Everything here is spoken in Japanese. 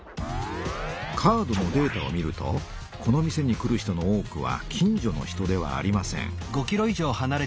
カードのデータを見るとこの店に来る人の多くは近所の人ではありません。